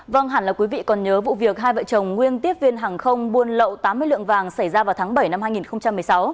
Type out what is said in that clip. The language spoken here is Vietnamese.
vâng hẳn là quý vị còn nhớ vụ việc hai vợ chồng nguyên tiếp viên hàng không buôn lậu tám mươi lượng vàng xảy ra vào tháng bảy năm hai nghìn một mươi sáu